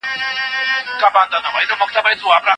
هغه يوازي زما لالى دئ